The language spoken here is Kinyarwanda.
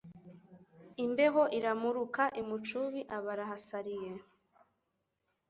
Imbeho iramuruka i Mucubi aba arahasariye